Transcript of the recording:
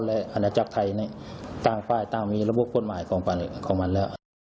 และอันดับจักรไทยตั้งฝ่ายตั้งมีระบบกฎหมายของมันแล้ว